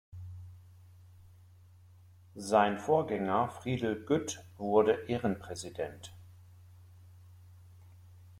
Sein Vorgänger Friedel Gütt wurde Ehrenpräsident.